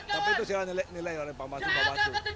tapi itu silahkan nilai oleh pak masu pak masu